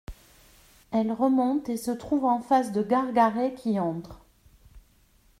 Elle remonte et se trouve en face de Gargaret qui entre.